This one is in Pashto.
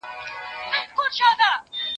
خدای درکړي دي غښتلي وزرونه